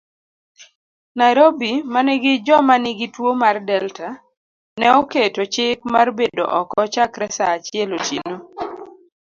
Nairobi manigi joma nigi tuo mar Delta, neoketo chik marbedo oko chakre saachiel otieno.